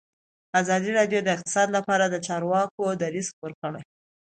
ازادي راډیو د اقتصاد لپاره د چارواکو دریځ خپور کړی.